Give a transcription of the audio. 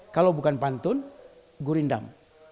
kalau bukan pantun gurindam